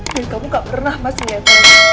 dan kamu gak pernah mas ngeliat